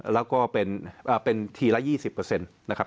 แล้วก็เป็นทีละ๒๐นะครับ